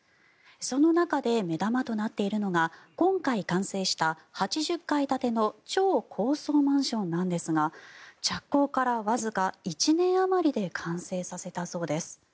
その中で目玉となっているのが今回、完成した８０階建ての超高層マンションなんですが着工からわずか１年あまりで完成させたそうです。